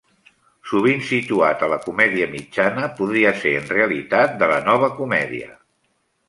Sovint situat a la comèdia mitjana, podria ser en realitat de la nova comèdia.